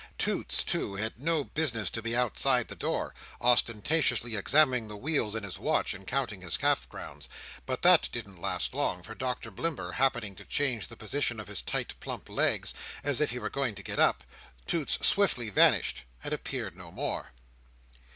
Toots, too, had no business to be outside the door, ostentatiously examining the wheels in his watch, and counting his half crowns. But that didn't last long; for Doctor Blimber, happening to change the position of his tight plump legs, as if he were going to get up, Toots swiftly vanished, and appeared no more.